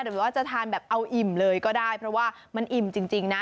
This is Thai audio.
หรือว่าจะทานแบบเอาอิ่มเลยก็ได้เพราะว่ามันอิ่มจริงนะ